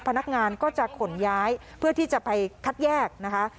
พนักงานก็จะขนย้ายเพื่อที่จะไปคัดแยกนะคะ